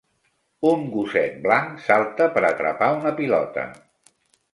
Un gosset blanc salta per atrapar una pilota